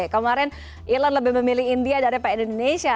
kemarin elon lebih memilih india daripada indonesia